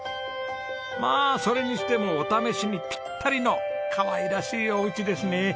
まあそれにしてもお試しにピッタリのかわいらしいお家ですね。